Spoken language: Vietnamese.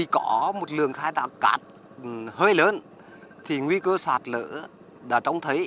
có một lường khai thác cát hơi lớn thì nguy cơ sạt lở đã trông thấy